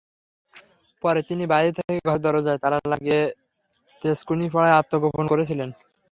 পরে তিনি বাইরে থেকে ঘরের দরজায় তালা লাগিয়ে তেজকুনিপাড়ায় আত্মগোপন করে ছিলেন।